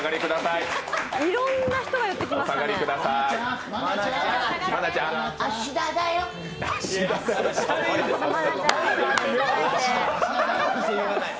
いろんな人が寄ってきましたね。